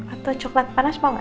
atau coklat panas mau gak